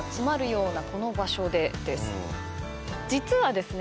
実はですね